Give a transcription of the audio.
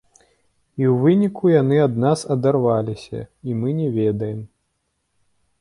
І ў выніку яны ад нас адарваліся, і мы не ведаем.